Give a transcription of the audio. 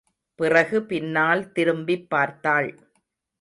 பிறகு பின்னால் திரும்பிப் பார்த்தாள்.